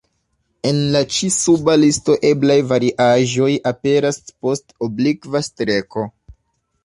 En la ĉi-suba listo eblaj variaĵoj aperas post oblikva streko.